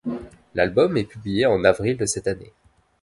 L'album est publié en avril de cette année.